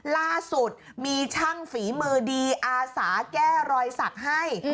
ล่าสุดมีช่างฝีมือดีอาสาแก้รอยสักให้